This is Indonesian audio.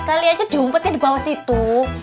kali kali aja diumpetin di bawah situ